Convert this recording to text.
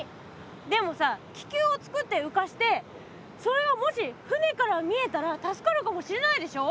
でもさ気球をつくって浮かしてそれがもし船から見えたら助かるかもしれないでしょ。